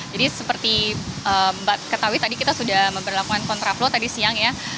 jadi seperti mbak ketahui tadi kita sudah melakukan kontra flow tadi siang ya